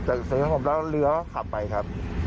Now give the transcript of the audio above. เสียงมันสงบแล้วเรือขับไปครับ